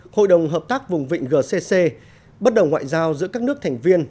hội đồng hợp tác vùng vịnh gcc bắt đầu ngoại giao giữa các nước thành viên